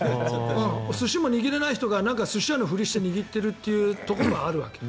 寿司も握れない人が寿司屋のふりをして握っているところもあるわけ。